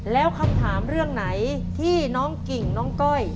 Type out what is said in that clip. แล้วคำถามเรื่องไหนที่น้องกิ่งน้องก้อย